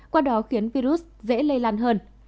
qua đó khiến virus dễ lây lan hơn